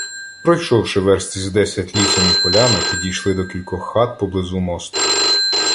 Пройшовши верст із десять лісом і полями, підійшли до кількох хат поблизу мосту.